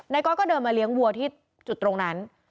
ก๊อตก็เดินมาเลี้ยงวัวที่จุดตรงนั้น